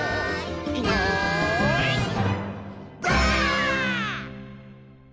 はい。